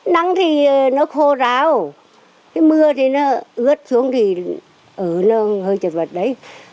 nắng thì nó khô ráo mưa thì nó ướt xuống thì ở nó hơi chật vật đấy